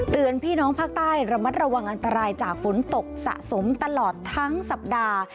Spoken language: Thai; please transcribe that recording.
พี่น้องภาคใต้ระมัดระวังอันตรายจากฝนตกสะสมตลอดทั้งสัปดาห์